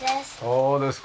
そうですか。